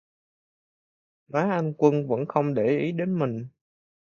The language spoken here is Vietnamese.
Má anh quân vẫn không để ý đến mình